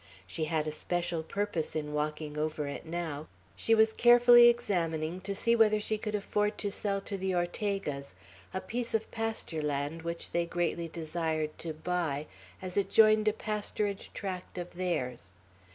She had a special purpose in walking over it now. She was carefully examining to see whether she could afford to sell to the Ortegas a piece of pasture land which they greatly desired to buy, as it joined a pasturage tract of theirs.